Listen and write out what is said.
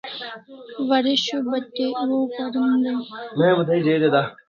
Waresho batyak wow parim dai